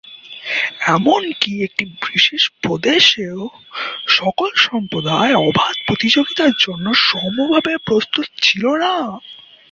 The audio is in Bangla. এমনকি একটি বিশেষ প্রদেশেও সকল সম্প্রদায় অবাধ প্রতিযোগিতার জন্য সমভাবে প্রস্ত্তত ছিল না।